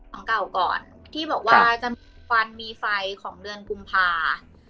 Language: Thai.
ของเก่าก่อนที่บอกว่าจะฟันมีไฟของเดือนกุมภา